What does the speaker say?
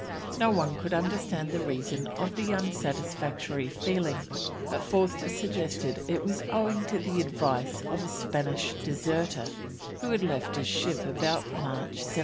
No one could understand the reason of the unsatisfactory feeling, but Forster suggests that it was owing to the advice of a Spanish deserter, who had left his ship about March 1773.